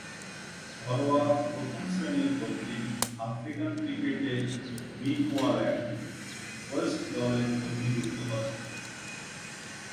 ঘরোয়া প্রথম-শ্রেণীর দক্ষিণ আফ্রিকান ক্রিকেটে গ্রিকুয়াল্যান্ড ওয়েস্ট দলের প্রতিনিধিত্ব করেন।